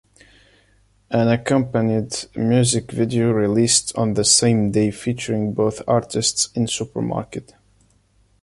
An accompanied music video released on the same day featuring both artists in supermarket.